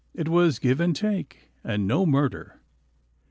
It was give and take, and no murder.